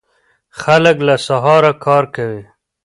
خلک له سهاره کار کوي.